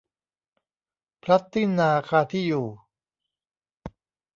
พลัดที่นาคาที่อยู่